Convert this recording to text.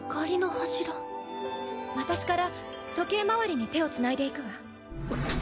私から時計回りに手をつないでいくわ。